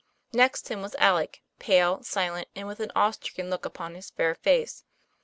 Next him was Alec, pale, silent, with an awe stricken look upon his fair face.